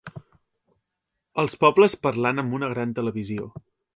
els pobles parlant amb una gran televisió